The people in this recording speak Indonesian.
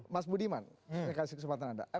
mas budiman saya kasih kesempatan anda